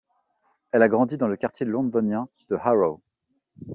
Elle a grandi dans le quartier londonien de Harrow.